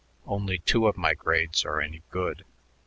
Only two of my grades are any good.